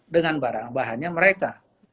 dengan bahannya mereka